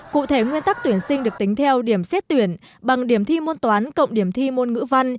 cụ thể nguyên tắc tuyển sinh được tính theo điểm xét tuyển bằng điểm thi môn toán cộng điểm thi môn ngữ văn